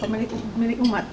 bapak kan pemilik umat